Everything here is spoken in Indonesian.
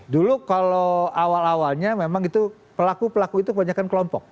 dulu kalau awal awalnya memang itu pelaku pelaku itu kebanyakan kelompok